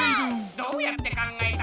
どうやって考えた？